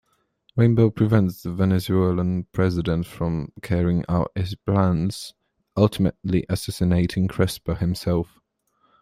Rainbow prevents the Venezuelan President from carrying out his plans, ultimately assassinating Crespo himself.